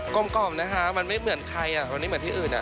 กล้มนะคะมันไม่เหมือนใครมันไม่เหมือนที่อื่น